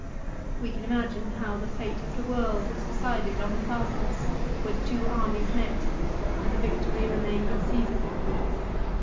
We can imagine how the fate of the world was decided on the Pharsalus where the two armies met, and the victory remained with Caesar.